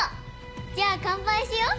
じゃあ乾杯しよう。